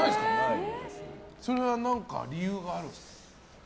それは理由があるんですか？